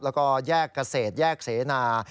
แล้วก็แยกเกษตรแยกเสนา